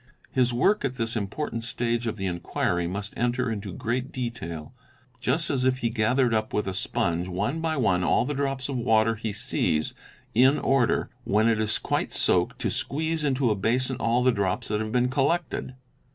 His work at this important stage of the inqury must enter into great detail; just as if he gathered up with a sponge one by one all the drops of water he sees, in order, when it is quite soaked, to squeeze ' into a basin all the drops that have been collected.